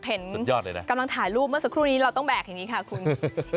ไหนเห็นกำลังถ่ายรูปเมื่อสับคู่รุงนี้เราต้องแบกอย่างนี้ค่ะคุณ